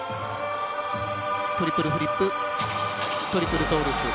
トリプルフリップトリプルトウループ。